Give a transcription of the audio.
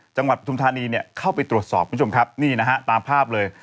จังหวัดปทุมธานีเข้าไปตรวจสอบนี่นะครับตามภาพเลย